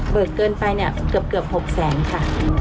เบิกเกินไปเนี่ยเกือบ๖๐๐๐๐๐บาทค่ะ